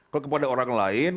kalau kepada orang lain